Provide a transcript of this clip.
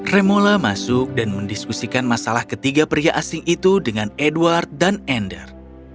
remola masuk dan mendiskusikan masalah ketiga pria asing itu dengan edward dan ender